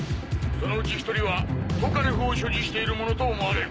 そのうち１人はトカレフを所持しているものと思われる。